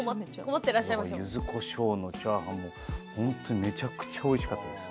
ゆずこしょうのチャーハンもめちゃくちゃおいしかったです。